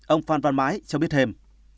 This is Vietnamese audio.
ông phan văn mãi cho biết thêm